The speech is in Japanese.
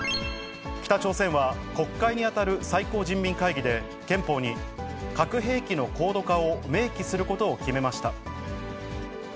北朝鮮は国会に当たる最高人民会議で、憲法に核兵器の高度化を明記することを決めました。